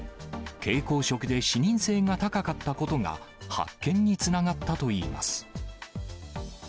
蛍光色で視認性が高かったことが、発見につながったといいます。